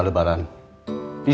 apa pendapat anda mr tan